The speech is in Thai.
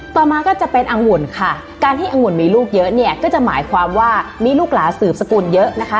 ต่อมาก็จะเป็นอังุ่นค่ะการที่อังุ่นมีลูกเยอะเนี่ยก็จะหมายความว่ามีลูกหลาสืบสกุลเยอะนะคะ